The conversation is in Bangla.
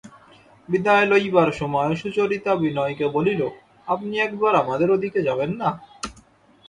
বিদায় লইবার সময় সুচরিতা বিনয়কে বলিল, আপনি একবার আমাদের ও দিকে যাবেন না?